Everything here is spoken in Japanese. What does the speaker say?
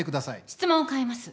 質問を変えます。